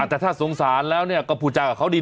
อาจจะถ้าสงสารแล้วก็พูดจักกับเค้าดี